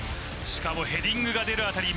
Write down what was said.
しかもヘディングが出るあたり